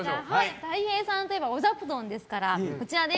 たい平さんといえばお座布団ですから、こちら。